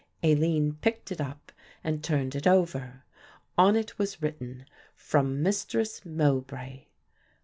Aline picked it up and turned it over. On it was written: "From Mistress Mowbray."